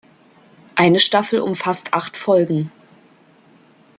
Eine Staffel umfasst acht Folgen.